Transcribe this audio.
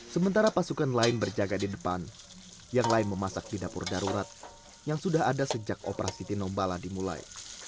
sementara pasukan lain berjaga di depan yang lain memasak di dapur darurat yang sudah ada sejak operasi tinombala dimulai